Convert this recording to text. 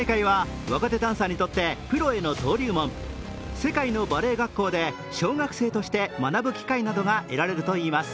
世界のバレエ学校で奨学生として学ぶ機会が得られるといいます。